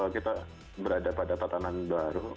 kita berada pada tatanan baru